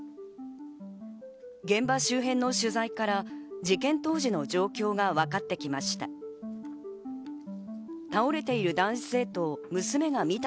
現場周辺の取材から事件当時の状況が分かってきました。